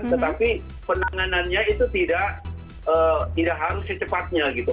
tetapi penanganannya itu tidak harus secepatnya gitu